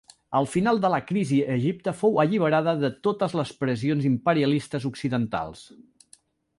Al final de la crisi, Egipte fou alliberada de totes les pressions imperialistes occidentals.